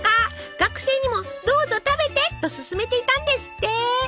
学生にもどうぞ食べてと勧めていたんですって。